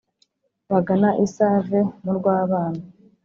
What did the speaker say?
bagana i save murw’abana